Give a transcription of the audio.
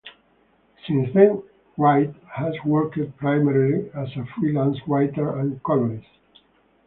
Since then, Wright has worked primarily as a freelance writer and colorist.